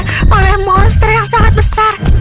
aku dikejar oleh monster yang besar